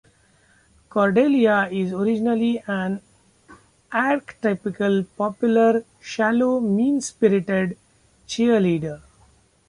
Cordelia is originally an archetypal popular, shallow, mean-spirited cheerleader.